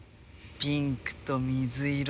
ピンクと水色の。